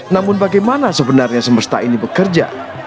namun bagaimana sebenarnya semesta ini bekerja